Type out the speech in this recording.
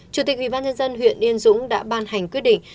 chủ tịch ubnd huyện yên dũng đã ban hành quyết định